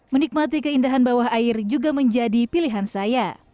menikmati keindahan bawah air juga menjadi pilihan saya